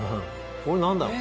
これ何だろう？